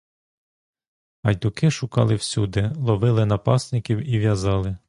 Гайдуки шукали всюди, ловили напасників і в'язали.